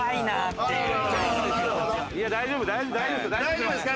大丈夫ですか？